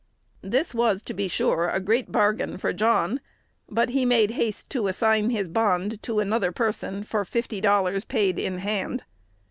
This, to be sure, was a great bargain for John, but he made haste to assign his bond to another person for "fifty dollars paid in hand."